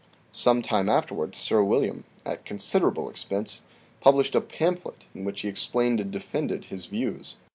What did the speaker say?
Some time afterwards Sir William, at considerable expense, published a pamphlet in which he explained and defended his views.